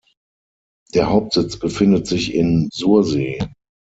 Der Hauptsitz befindet sich in Sursee.